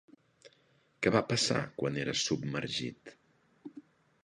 Què va passar quan era submergit?